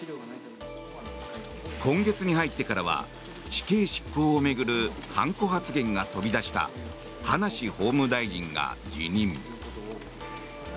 今月に入ってからは死刑執行を巡る判子発言が飛び出した葉梨法務大臣が辞任。